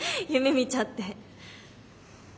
夢みちゃって。